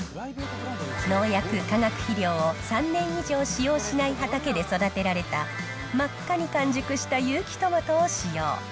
農薬、化学肥料を３年以上使用しない畑で育てられた、真っ赤に完熟した有機トマトを使用。